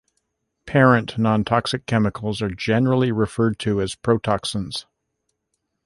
Parent non-toxic chemicals are generally referred to as "protoxins".